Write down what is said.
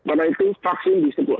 oleh itu vaksin disebut